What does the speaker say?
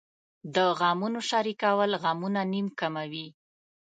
د غمونو شریکول غمونه نیم کموي .